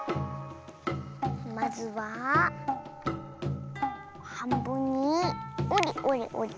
まずははんぶんにおりおりおり。